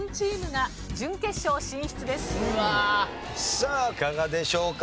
さあいかがでしょうか？